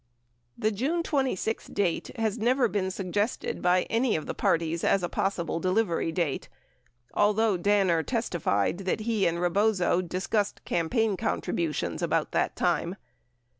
94 20 Hearings 9518. 979 The June 26 date has never been suggested by any of the parties as a possible delivery date, although Danner testified that he and Rebozo discussed campaign contributions about this time.